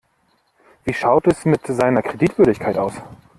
Wie schaut es mit seiner Kreditwürdigkeit aus?